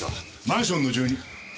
マンションの住人。